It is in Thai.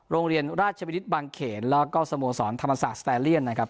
โรงเรียนราชวินิตบางเขนแล้วก็สโมสรธรรมศาสตร์สแตเลียนนะครับ